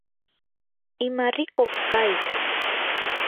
imarikuq kay